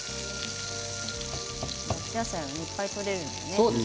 夏野菜がいっぱいとれるんですよね。